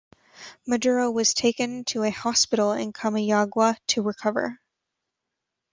Maduro was taken to a hospital in Comayagua to recover.